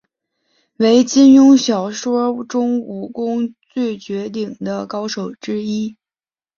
为金庸小说中武功最绝顶的高手之一。